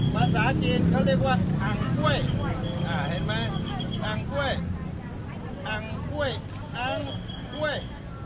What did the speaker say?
ภาษาจีนเขาเรียกว่าอ่างเก้ยอ่างเก้ยอ่างเก้ยอ่างเก้ย